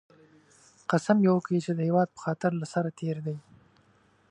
قسم یې وکی چې د هېواد په خاطر له سره تېر دی